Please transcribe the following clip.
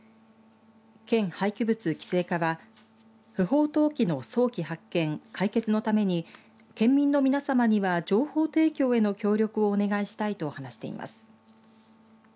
県廃棄物規制課は不法投棄の早期発見解決のために県民の皆さまには情報提供への協力をお願いしたいと話しています。